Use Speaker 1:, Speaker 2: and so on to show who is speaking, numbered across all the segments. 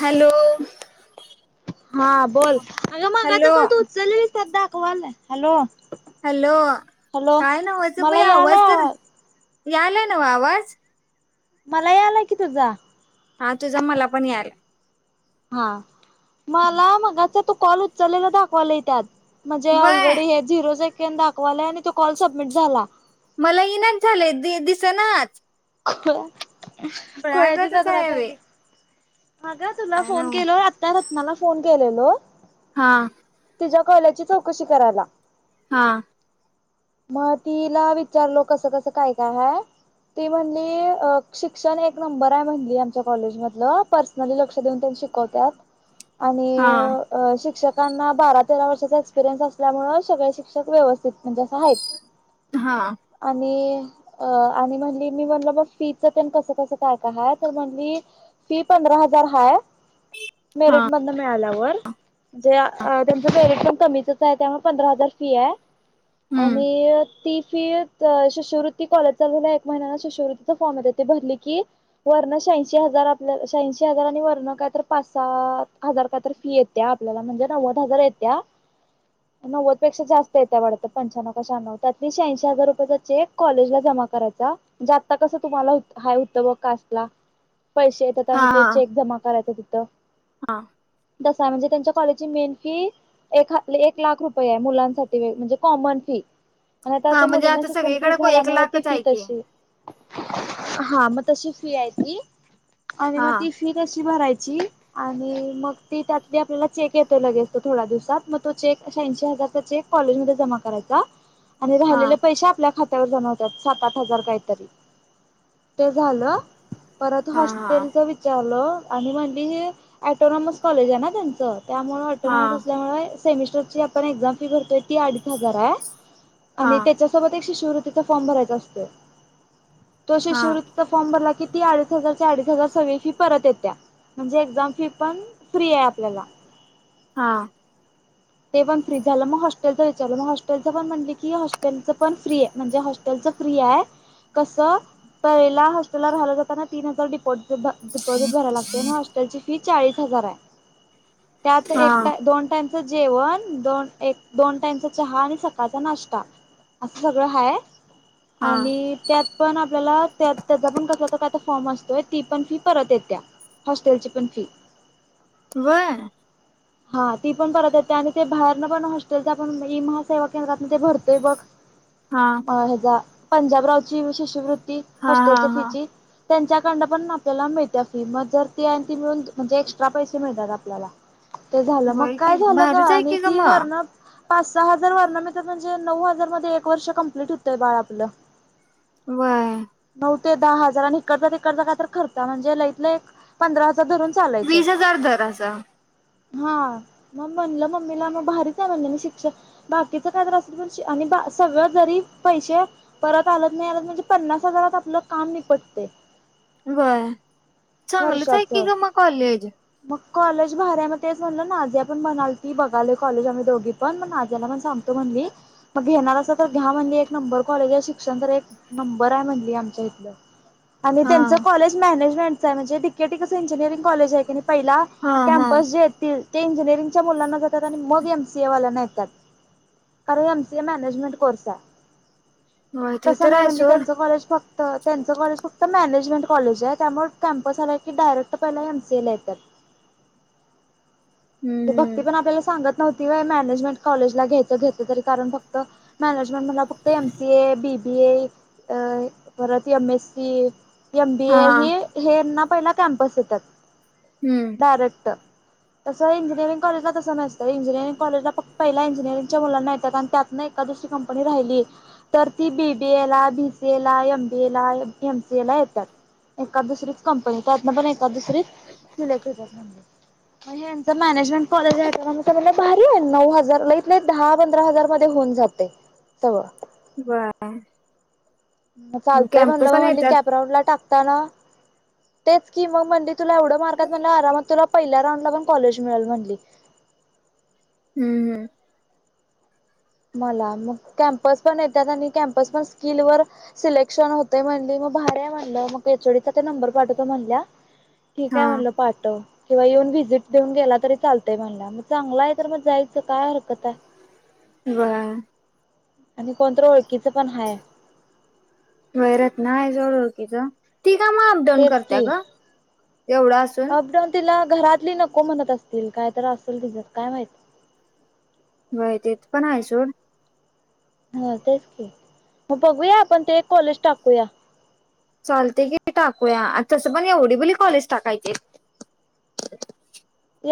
Speaker 1: Hello.
Speaker 2: हा बोल, अगं मगाचा
Speaker 1: हॅलो
Speaker 2: काॅल तू उचललेलीस त्यात दाखवालयं. हॅलो हॅलो,
Speaker 1: काय
Speaker 2: मला यालाय आवाज.
Speaker 1: यालाय नव्हं आवाज?
Speaker 2: मला यालाय की तुझा.
Speaker 1: हा तुझा मलापण यालाय.
Speaker 2: हा, मला मगाचा तू कॉल उचललेला दाखवालयं त्यात. म्हणजे
Speaker 1: व्हय
Speaker 2: ऑलरेडी हे झिरो सेकंड दाखवालाय आणि तो कॉल सबमिट झाला.
Speaker 1: मला येईनाच झालंय दिसनाचं.
Speaker 2: खुळ खुळ्याची
Speaker 1: खुळ्यागतच
Speaker 2: जत्राच आहे
Speaker 1: बे
Speaker 2: ती. अगं तुला
Speaker 1: काय
Speaker 2: फोन
Speaker 1: नव्ह
Speaker 2: केलोय आत्ता रत्नाला फोन केलेलो.
Speaker 1: हा.
Speaker 2: तिच्या कॉलेजची चौकशी करायला.
Speaker 1: हा.
Speaker 2: मग तिला विचारलो कसं कसं काय काय हाय ती म्हणली अ शिक्षण एक नंबर आहे म्हणली आमच्या कॉलेजमधलं पर्स नली लक्ष देऊन पण शिकवत्यात आणि
Speaker 1: हा
Speaker 2: अ शिक्षकांना बारा तेरा वर्षाचा एक्सपिरियन्स असल्यामुळें सगळे शिक्षक व्यवस्थित म्हणजे असं आहेत.
Speaker 1: हा.
Speaker 2: आणि अ आणि म्हणली मी म्हणलं मग फीच तेन कसं कसं काय काय हाय तर म्हणली फी पंधरा हजार हाय
Speaker 1: हा
Speaker 2: मेरिट मधनं मिळाल्यावर म्हणजे त्यांच मेरिट पण कमीच चं आहे त्यामुळे पंधरा हजार फी आहे
Speaker 1: हम्म
Speaker 2: आणि ती फी शिष्यवृत्ती कॉलेज चालू झाल्यावर एक महिन्यानं शिष्यवृत्तीचा फॉर्म येतोय ती भरली की वरनं शहाऐंशी हजार आपलं शहाऐंशी हजार आणि वरनं काय तर पाच सात हजार काय तर फी ये त्या आपल्याला म्हणजे नव्वद हजार येत्या, नव्वद पेक्षा जास्त येत्या वाढत. पंच्याण्णव काय शहाण्णव त्यातली शहांशी हजार रुपयाचा चेक कॉलेजला जमा करायचा जे आत्ता कसं तुम्हाला हा हुतं ब कास्टला पैसे परत
Speaker 1: हा
Speaker 2: आणि ते
Speaker 1: हा
Speaker 2: चेक जमा करायचं तिथं.
Speaker 1: हा.
Speaker 2: तसायं म्हणजे त्यांच्या कॉलेजची मेन फी एक ह एक लाख रुपये आहे मुलांसाठी म्हणजे कॉमन फी आणि ते
Speaker 1: हा
Speaker 2: आता
Speaker 1: म्हणजे
Speaker 2: मुलींना शिक्षण फ्री
Speaker 1: सगळीकडे को एक
Speaker 2: झाल्यामुळे ती
Speaker 1: लाखच
Speaker 2: फी
Speaker 1: आहे की
Speaker 2: तशी हा मग तशी फी आहे ती आणि
Speaker 1: हा
Speaker 2: मग ती फ फी कशी भरायची? आणि मग ती त्यात आपल्याला चेक येतो लगेच थोड्या दिवसात मग तो चेक शाहऐंशी हजारचा चेक काॅलेजमध्ये जमा करायचा आणि
Speaker 1: हा
Speaker 2: राहिलेले पैसे आपल्या खा त्यावर जमा होत्यात सात आठ हजार काहीतरी, ते झालं परत
Speaker 1: हा हा
Speaker 2: हॉस्टेलचं विचारलं आणि म्हणली ॲटोनॉमस कॉलेज आहे ना त्यांचं. त्यामुळं
Speaker 1: हा
Speaker 2: ऑटोनॉमस असल्यामुळे सेमिस्टरची आपण एक्झाम फी भरतोय ती अडीच हजार आहे. आणि
Speaker 1: हा
Speaker 2: त्याच्यासोबत एक शिष्यवृत्तीचा फॉर्म भरायचा असतोय तो
Speaker 1: हा
Speaker 2: शिष्यवृ त्तीचा फॉर्म भरला की ती अडीच हजारच्या अडीच हजार सगळी फी परत येत्या. म्हणजे एक्झाम फी पण फ्री आहे आपल्याला.
Speaker 1: हा.
Speaker 2: ते पण फ्री झालं मग, हॉस्टेल च विचारलं. मग हॉस्टेलच पण म्हटलं की हॉस्टेलच पण फ्री आहे. म्हणजे हॉ टेलच फ्री आहे. कस पहिला हॉस्टेलला राहायला जाताना तीन हजार डिपॉ झिट भराय लागतय ना. हॉस्टेलची फी चाळीस हजार आहे. त्यात एक
Speaker 1: हा
Speaker 2: टा दोन टाईम जेवण. दोन -एक, दोन टाइमचा चहा आणि सकाळचा नाश्ता असं सगळं हाय
Speaker 1: हा
Speaker 2: आणि त्यात पण आपल्याला त्याचा पण कसला तर काय फॉर्म असतोय ती पण फी परत येत्या. हॉस्टेलची पण फी
Speaker 1: होय.
Speaker 2: हा ती पण परत येत्या. आणि ते बाहेरन पण हॉस्टेलचा पण ई महासेवा केंद्रातन ते भरून ते बघ.
Speaker 1: हा
Speaker 2: हेजा पंजाबरावची शिष्यवृत्ती.
Speaker 1: हा हा
Speaker 2: हॉस्टेलच्या
Speaker 1: हा
Speaker 2: फीची. त्यांच्याकडं पण आपल्याला मिळत्या फी मग जर ती आणि ती मिळून म्हणजे एक्स्ट्रा पैसे मिळतात आपल्याला. ते झालं मग
Speaker 1: व्हय की
Speaker 2: काय झालं ग
Speaker 1: भारीच आहे
Speaker 2: आणि
Speaker 1: की
Speaker 2: ती
Speaker 1: मग.
Speaker 2: वरण. पाच सहा हजार वरण मिळतात. म्हणजे नऊ हजार मध्ये एक वर्ष कंप्लीट होतंय बाळ आपलं.
Speaker 1: होय.
Speaker 2: नऊ ते दहा हजार आणि इकडचा तिकडचा काय तर खर्चा. म्हणजे लईत लई पंधरा हजार धरून चालायचं
Speaker 1: वीस हजार धर अस.
Speaker 2: हा. मग म्हणलं मम्मीला मग भारी करलोय ना शिक्षण. बाकीच काही तर असल तरी सगळं जरी पैसे परत आलत नाही आलंत. म्हणजे पन्नास हजारात आपलं काम निपटते.
Speaker 1: होय. चांगलंच आहे
Speaker 2: वर्षाच
Speaker 1: की मग कॉलेज.
Speaker 2: मग कॉलेज भारी हाय मग तेच म्हटलं ना. अद्या पण म्हणालती बघालोय कॉलेज आम्ही दोघी पण. आद्याला पण सांगतो म्हणली. मग घेणार असंल तर घ्या म्हटली, एक नंबर कॉलेज आहे शिक्षण तर एक नंबर आहे म्हणली आमच्या इथलं. आणि
Speaker 1: हा.
Speaker 2: त्यांच कॉलेज मॅनेजमेंटच आहे म्हणजे डी के टी कस इंजिनिअरिंग कॉलेज आहे की पहिला
Speaker 1: हा हा
Speaker 2: कॅम्पस जे येतील ते इंजिनिअरिंगच्या मुलांना जातात. आणि मग एमसीए वाल्यांना येतात. कारण M C A management course आहे.
Speaker 1: व्हय ते
Speaker 2: तस
Speaker 1: तर
Speaker 2: नाही
Speaker 1: आहे
Speaker 2: म्हणजे
Speaker 1: सोड.
Speaker 2: त्यांच कॉलेज फक्त तर त्यांचं कॉलेज फक्त मॅनेजमेंट कॉलेज आहे. त्यामुळे कॅम्पस आलं की डायरेक्ट पहिला एम सी ए ला येतात. भक्ती
Speaker 1: हम्म.
Speaker 2: पण आपल्याला सांगत नव्हती होय. मॅनेजमेंट कॉलेज ला घ्यायचं घेतलं तरी कारण फक्त मॅनेजमेंट म्हणला फक्त M C A, B B A, परत M S C M B
Speaker 1: हा
Speaker 2: ए ही हेना पहिला कॅम्पस येतात.
Speaker 1: हम्म.
Speaker 2: डायरेक्ट तस इंजि नीअरिंग कॉलेजला तसं नसते. इंजिनीअरिंग कॉलेज फक्त पहिला इंजनिअरंगच्या मुलाना येतात आणि त्यात ना एका दिवशी कंपनी राहिली. तर ती बीबीए ला, बीसीए ला, एमबीए ला, एमसीए ला येतात. एका दुसरीच कंपनी त्यातपण एकाद दुसरी सिलेक्ट होतात म्हटलं. मॅनेजमेंट कॉलेज भारी आहे नऊ हजार लईत लई दहा पंधरा हजार मध्ये होऊन जाते. होय.
Speaker 1: होय.
Speaker 2: चालतय म्हणलं. मग म्हण
Speaker 1: येतात.
Speaker 2: कॅपराऊड ला टाकताना तेच की मग म्हणली तुला एवढं मार्क आहेत म्हणल्या वर आरामात तुला पहिल्या राऊंडला पण कॉलेज मिळेल म्हणली.
Speaker 1: हम्म. हम्म.
Speaker 2: मला मग कॅम्पस पण येत्यात आणि कॅम्पस पण स्किल वर सिलेक्शन होतेय म्हणली मग भारी आहे म्हणलं मग एच. डी चा तेन नंबर पाठवतो म्हणल्या. ठीक हाय
Speaker 1: हा.
Speaker 2: म्हणलं पाठव. किंवा येऊन व्हिजिट देऊन गेला तरी चालतय म्हणल्या मग चांगला हाय तर मग जायचं काय हरकत हाय.
Speaker 1: व्हय
Speaker 2: आणि कोण तर ओळखीचं पण हाय
Speaker 1: व्हय रत्ना हाय ओळखीच ती का म अप डाऊन
Speaker 2: तेच
Speaker 1: करत्या
Speaker 2: की
Speaker 1: ग एवढं असून.
Speaker 2: अपडाऊन तिला घरातली नको म्हणत असतील काय तर असेल तिच काय माहित.
Speaker 1: व्हय तिथं पण आहे सोड.
Speaker 2: व्हय तेच की म बघूया आपण ते एक कॉलेज टाकूया.
Speaker 1: चालतय की बई टाकूयाआणि तसं पण एवढी बली कॉलेज टाकायची.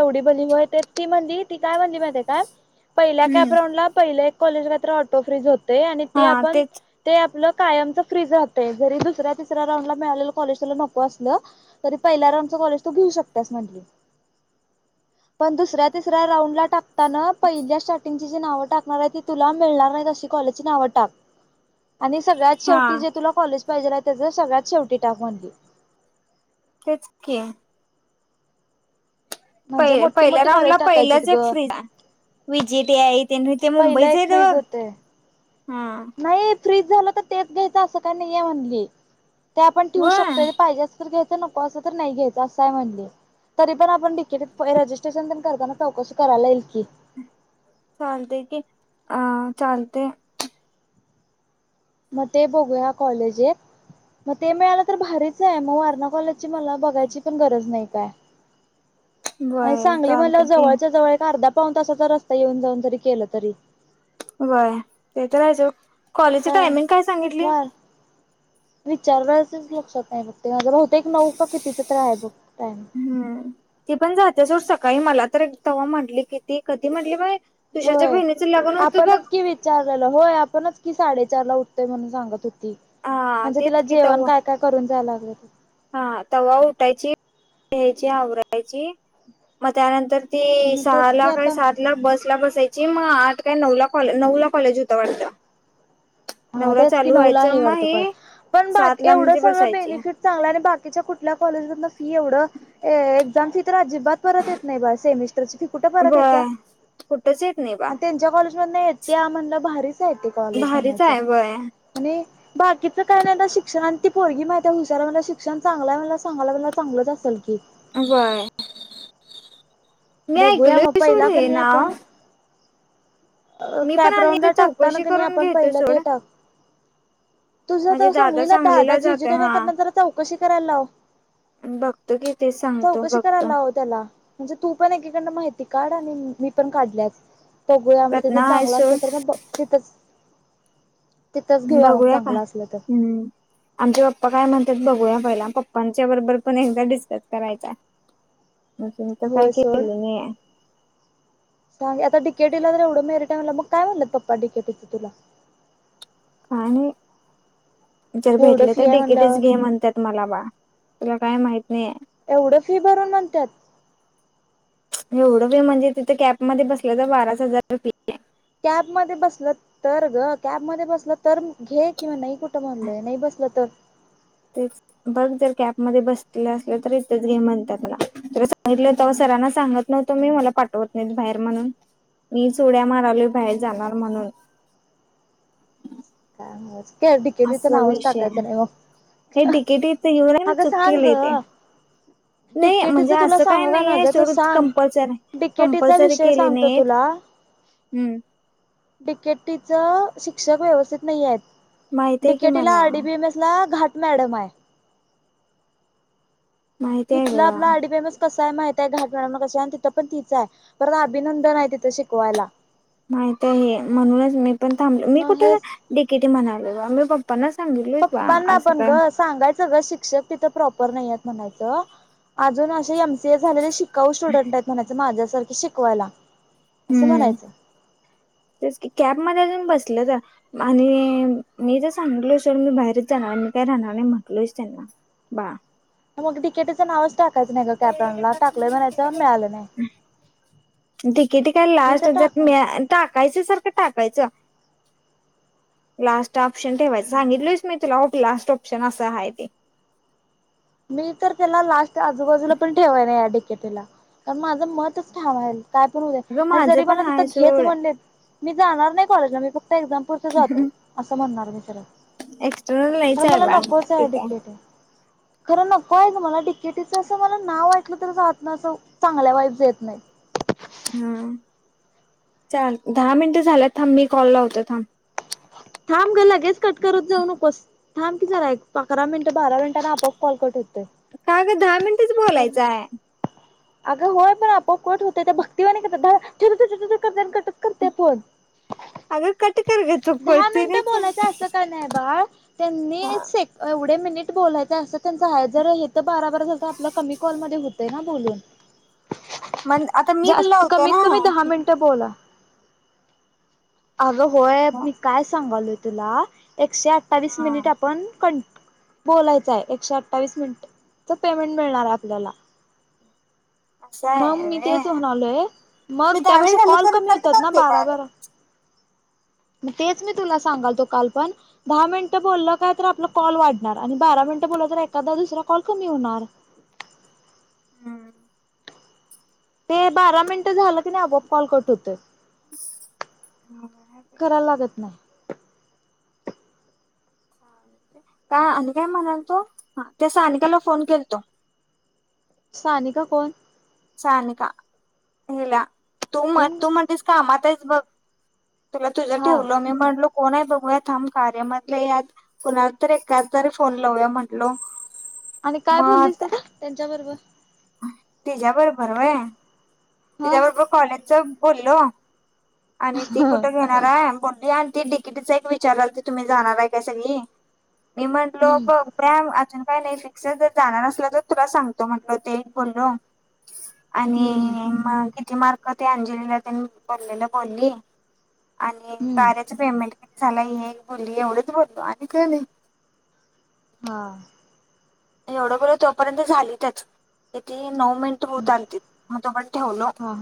Speaker 2: एवढी बली व्हय ते ती म्हणली ती काय म्हणाली माहितीे हाय काय पहिल्या
Speaker 1: हम्म
Speaker 2: कॅपराऊंडला पहिल्या कॉलेज काय तर ऑटो फ्रीज होतय आणि ते
Speaker 1: हा
Speaker 2: आपण
Speaker 1: तेच
Speaker 2: ते आपलं कायमच फ्रीज राहतं जरी दुसऱ्या तिसऱ्या राऊंड ला मिळालेलं कॉलेज तूला नको असलं. तरी पहिल्या राऊंडच कॉलेज तू घेऊ शकत्यास म्हटली पण दुसऱ्या तिसऱ्या राऊंड ला टाकताना पहिल्या [inaudible] स्टार्टिंगची जी नाव टाकणार हाय ती तुला मिळणार नाही अशी कॉलेजची नावं टाक. आणि सगळ्यात
Speaker 1: हा
Speaker 2: शेवटी जे तुला कॉलेज पाहिजेलाय त्याच सगळ्यात शेवटी टाक म्हणली.
Speaker 1: तेच की
Speaker 2: म्हणजे मोठी
Speaker 1: पहिल्या
Speaker 2: मोठी
Speaker 1: राऊंडला
Speaker 2: कॉलेज टाकायचीत
Speaker 1: पहिलंच एक
Speaker 2: ग
Speaker 1: फ्रीज हाय वि. जी. टी. हाय ते नाही ते
Speaker 2: पहिलं
Speaker 1: मुंबईच
Speaker 2: एक
Speaker 1: हायत
Speaker 2: फ्रीज
Speaker 1: बघ
Speaker 2: होतय
Speaker 1: हा.
Speaker 2: नाही ये फ्रीज झालं तर तेच घ्यायचं असं काय नाहीये म्हणली ते आपण ठेवू
Speaker 1: व
Speaker 2: शकतोय आणि पाहिजे. असलं तर घ्यायच नको असल तर नाही घ्यायंच असं हाय म्हणली तरी पण आपण तिकीटीत पुढे रजिस्ट्रेशन तेन करताना चौकशी करायला येईल की
Speaker 1: चालतय की अ चालतय
Speaker 2: म ते बघूया कॉलेज एक म ते मिळालं तर भारीच हाय म वारणा कॉलेजची मला बघायची पण गरज नाही काय? आणि
Speaker 1: बय
Speaker 2: सांगली
Speaker 1: चालते
Speaker 2: म्हणाल्यावर
Speaker 1: की
Speaker 2: जवळच्या जवळ एक अर्धा पाऊन तासाचा रस्ता येऊन जाऊन जरी केलं तरी
Speaker 1: व्हय ते तर हाय सोड
Speaker 2: व्हय. व्हय विचाराय तरी लक्षात नाही बघ ते बहुतेक नऊ का कितीच तर हाय बघ टाइम
Speaker 1: हम ती पण जात्या सोड सकाळी मला तर एक तव्हा म्हटली कि ती कधी म्हटली माहिती [inaudible]
Speaker 2: होय आपणच की विचारलेलं होय आपणच की साडेचार ला उठतोय म्हणून सांगत होतो. होती
Speaker 1: हा
Speaker 2: म्हणजे तिला
Speaker 1: तेच कि
Speaker 2: जेवण
Speaker 1: तवा
Speaker 2: काय काय करून जायला लागलं की
Speaker 1: हा तव्हा उठायची [inaudible] घ्यायची आवरायची मग त्यानंतर ती
Speaker 2: ते तेच की
Speaker 1: सहाला काय
Speaker 2: आता
Speaker 1: सातला बसला बसायची म आठ काय नऊला नऊला कॉलेज होतं वाटतं
Speaker 2: हा
Speaker 1: नऊला
Speaker 2: तेच की
Speaker 1: चालू
Speaker 2: नऊला
Speaker 1: व्हायचं
Speaker 2: आहे
Speaker 1: मग
Speaker 2: वाटत
Speaker 1: हे
Speaker 2: पण
Speaker 1: सात
Speaker 2: बाकी
Speaker 1: ला
Speaker 2: एवढं
Speaker 1: म्हणजे
Speaker 2: सगळं
Speaker 1: बसायची
Speaker 2: बेनिफिट चांगल आणि बाकीच्या कुठल्या कॉलेजमधन फी एवढं एक्झाम तर आज्जीबात परत नाही बाय सेमिस्टरची फी कुठ परत येत्या
Speaker 1: व्हय कुठच येत नाही बा
Speaker 2: म त्यांच्या कॉलेज मधन येत्या म्हणलं भारीच हाय की कॉलेज
Speaker 1: भारीच
Speaker 2: म्हणायचं
Speaker 1: आहे व्हय
Speaker 2: आणि बाकीचं काय नाही पण शिक्षण आणि ती पोरगी माहिती हाय हुशार हाय म आता शिक्षण चांगलंय म्हणायला लागल्या सांगायला लागल्या चांगलंच असलं की
Speaker 1: व्हय मी
Speaker 2: बघूया मग
Speaker 1: ऐकलोय
Speaker 2: पहिला
Speaker 1: सोड हे
Speaker 2: कणी
Speaker 1: नाव
Speaker 2: अ
Speaker 1: मी पण आणि ते
Speaker 2: कॅपराऊंडला टाकता ना
Speaker 1: चौकशी
Speaker 2: कनय
Speaker 1: करून
Speaker 2: आपण
Speaker 1: घेतो
Speaker 2: पहिलं
Speaker 1: सोड
Speaker 2: ते टाकू [inaudible] तुझ
Speaker 1: म्हणजे
Speaker 2: तर
Speaker 1: दादा
Speaker 2: सांगलीला दहा दहा जेजी
Speaker 1: जातोय हा
Speaker 2: त्यांना जरा चौकशी करायला लाव.
Speaker 1: बघतो कि ते सांग
Speaker 2: चौकशी करायला त्याला. म्हणजे तू पण एकीकडन माहिती काढ आणि मी पण काढल्यास बघूया म तिथं
Speaker 1: रत्ना आहे
Speaker 2: चांगलं असल
Speaker 1: सोड
Speaker 2: तर म तिथंच तिथंच घेऊया मग
Speaker 1: बघूया का
Speaker 2: चांगलं असलं तर.
Speaker 1: हम्म आमचे पप्पा काय म्हणतात बघूया पहिला. पप्पांच्या बरोबर पण एकदा डिस्कस करायचा. [unintelligible] काय
Speaker 2: होय
Speaker 1: केलं नाही
Speaker 2: सांगे आता केडीला टीला तर एढं मेरी टाईमला मग काय म्हणत पप्पा डीकेटीं तुला?
Speaker 1: काय नई, जर
Speaker 2: एवढं
Speaker 1: भेटले
Speaker 2: फी
Speaker 1: तर
Speaker 2: आहे
Speaker 1: डिकीटच
Speaker 2: म्हणल्यावर
Speaker 1: घे म्हंतात म्हाला बा. तुला काय माहित नाही.
Speaker 2: एवढं फी भरून म्हणत्यात.
Speaker 1: एवढं फी म्हणजे तिथं कॅबमध्ये बसलं तर बाराच हजार रुपये फी.
Speaker 2: कॅबमध्ये बसलं तर ग. कॅबमध्ये बसलं तर घे किंवा नाही. कुठं मानलंय नाही बसलं तर?
Speaker 1: तेच बघ जर कॅबमध्ये बसलेलं असलं तर इथेच घे म्हणतात मला. ना सांगितलं ते सरांना सांगत [unintelligible] तुम्ही मला पाठवत नाहीत बाहेर म्हणून. मी उड्या मारालो बाहेर
Speaker 2: हम्म
Speaker 1: जाणार म्हणून.
Speaker 2: क्याडिकेतिचं
Speaker 1: असं
Speaker 2: नावच
Speaker 1: विषय
Speaker 2: टाकायचं
Speaker 1: आहे
Speaker 2: नाही मग.
Speaker 1: हे डिकेटी येेऊन आहे ना
Speaker 2: अगं
Speaker 1: चुक
Speaker 2: सांग
Speaker 1: केले तेे.
Speaker 2: ग
Speaker 1: नाही म्हणजे
Speaker 2: डिकेटीचं तुला
Speaker 1: असं काही
Speaker 2: सांगू का
Speaker 1: नाही आहे
Speaker 2: नव्हतं तू
Speaker 1: सडूच
Speaker 2: सांग
Speaker 1: कंपल्सर
Speaker 2: डिकेटीचा
Speaker 1: कंपल्सरी
Speaker 2: विषय
Speaker 1: केली
Speaker 2: सांगतो
Speaker 1: नाही.
Speaker 2: तुला
Speaker 1: हम्म
Speaker 2: डीके टीच शिक्षक व्यवस्थित नाही येत
Speaker 1: माहित आहे की
Speaker 2: डिकेटी ला
Speaker 1: मला
Speaker 2: आरडी बीएमएस ला घाट मॅडम आहे.
Speaker 1: माहिती आहे
Speaker 2: इथला आपला
Speaker 1: ग
Speaker 2: [unintelligible] कसंय माहित आहे घाट मळा कस आहे आणि तिथं पण तिचं आहे परत अभिनंदन आहे तिथं शिकवायला.
Speaker 1: माहित आहे म्हणूनच मी पण थांबल मी
Speaker 2: मग
Speaker 1: कुठे
Speaker 2: हेच
Speaker 1: डिकेटी म्हणालो मी पप्पांना सांगितले
Speaker 2: पप्पांना पण ग सांगायचं ग शिक्षक प्रॉपर नाही ये म्हणायचं. आजुन अशे ही आमचे झालेले शिक्ष काऊ स्टुडंट आहेत. म्हणायचं माझ्यासारखे शिकवायला. असं
Speaker 1: हम्म
Speaker 2: म्हणायचं.
Speaker 1: तेच कि कॅब मध्ये अजून बसल तर आणि मी तर सांगितलो. मी बाहेरच जाणार मी काय राहणार नाही म्हटलोच त्यांना बा
Speaker 2: मग डिकेटीचं नावच टाकायचं नाही का कॅपरानला टाकलंय म्हणायचं मिळालं नाही.
Speaker 1: डिकेटी काय
Speaker 2: मी तर
Speaker 1: लास्टर
Speaker 2: टाकणार.
Speaker 1: मी टाकायच सारखं टाकायचं लास्ट ऑप्शन ठेवायचं सांगितलं मी तुला लास्ट ऑप्शन असं आहे ते.
Speaker 2: मी तर त्याला लास्ट आजूबाजूला पण ठेवायन या डिकेटला कारण माझं मतच ठाम आहे. काय पण होऊ दे
Speaker 1: अगं
Speaker 2: आणि
Speaker 1: माझं
Speaker 2: जरी
Speaker 1: पण
Speaker 2: मला
Speaker 1: हाय
Speaker 2: तिथं घेच
Speaker 1: सोड
Speaker 2: म्हणले मी जाणार नाही कॉलेजला मी एक्झाम पुरत जातो असं म्हणणार मी सरळ.
Speaker 1: एक्स्ट्रनल
Speaker 2: तर
Speaker 1: नाहीच आहे
Speaker 2: मला नकोच आहे
Speaker 1: आग
Speaker 2: डिकेटी. खरं नको आहे तु मला डिकेटीचं असं मला नाव ऐकलं तर राहात ना असं चांगल्या वाईब येत नाही.
Speaker 1: हा चार दहा मिनटं झाल्यात थांब मी कॉल लावते होत थांब
Speaker 2: थांब ग लगेच कटकरत जाऊ नकोस थांब की झालाय एक अकरा मिनिट बारा मिनिटांना आपआप कॉल करट होतो.
Speaker 1: का ग दहा मिनिटच बोलायचं ये.
Speaker 2: अगं होय पण आपोप कोट होतेय. त्या भक्तीवानी करत द छेटछट कर कटच करतेय फोन.
Speaker 1: अग कट कर ग. तू
Speaker 2: दहा मिनिटं
Speaker 1: कळतुरीच आहे
Speaker 2: बोलायच असं का नाही बाळ त्यांनी से एवढे मिनिट बोलायचे असं त्यांच हा जर हे तर बारा बार आपला कमी कॉलमध्ये होतय ना बोलून.
Speaker 1: मग आता मी कॉल
Speaker 2: जास्त
Speaker 1: लावतो
Speaker 2: कमीत
Speaker 1: ना
Speaker 2: कमी दहा मिनटं बोला. अ हो, मी काय सांगालोय तुला एकशे अठ्ठावीस
Speaker 1: हा
Speaker 2: मिनिट आपण कं बोलायचं आहे एकशे अठ्ठावीस मिनिटचं पेमेंट मिळणार आहे आपल्याला
Speaker 1: असं
Speaker 2: मग
Speaker 1: आहे
Speaker 2: मी
Speaker 1: व्हय
Speaker 2: तेच म्हनालोय मग
Speaker 1: मी दहा
Speaker 2: त्यापेक्षा
Speaker 1: मिनिट झालं
Speaker 2: कॉल
Speaker 1: तर कट
Speaker 2: कमी होतात ना
Speaker 1: करते
Speaker 2: बारा
Speaker 1: कॉल
Speaker 2: बारा, मग तेच मी तुला सांगालतो काल पण दहा मिनिटं बोललं काय तर आपला कॉल वाढणार आणि बारा मिनिटं बोललं तर एखादा दुसरा कॉल कमी होणार.
Speaker 1: हम्म
Speaker 2: ते बारा मिनिटं झालं कणी आपोआप कॉल कट होतोय.
Speaker 1: [unintelligible]
Speaker 2: करायला लागत नाही.
Speaker 1: काय आणि काय म्हणाल तो त्या सानिकाला फोन केलतो
Speaker 2: सानिका कोण?
Speaker 1: सानिका हेला तू म
Speaker 2: कोण ग
Speaker 1: तू म्हणतलीस काम हाईस बघ तुला तुझं
Speaker 2: हा
Speaker 1: ठेवलं मी म्हणलो कोण हाय बघूया थांब कार्य म्हधले यात कोणाला तर एकाला तरी फोन लाऊूया म्हंटलो
Speaker 2: आणि काय बोललीस त ते त्यांच्या बरोबर?
Speaker 1: तिच्या बरोबर व्हय
Speaker 2: हा
Speaker 1: तिच्याबरोबर कॉलेजच बोललो आणि ती कुठं
Speaker 2: हम्म
Speaker 1: घे नार हाय बोलली आणि ती डि की टीच एक विचारालती तुम्ही जाणार हाय काय सगळी मी म्हणलो बघ [unintelligible] अजून काही नाही फिक्स जर जाणार असलो तर तुला सांगतो म्हटल ते एक बोललो
Speaker 2: हम्म
Speaker 1: आणि
Speaker 2: हम्म
Speaker 1: मग किती मार्क ते अंजलीला तेन पडलेल बोलली आणि
Speaker 2: हम्म
Speaker 1: कार्याच पेमेंट किती झालाय हे बोलली एवढंच बोललो आणि काय नाही.
Speaker 2: हा
Speaker 1: एवढं बोल तोपर्यंत झालीतच किती नऊ मिनिट होत आलतीत मग तोपर्यंत ठेवलो.
Speaker 2: हा